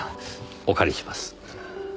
お借りします。